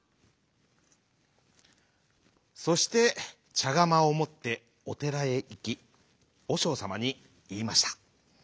そしてちゃがまをもっておてらへいきおしょうさまにいいました。